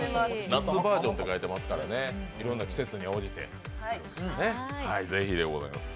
夏バージョンって書いてますから、季節に応じて。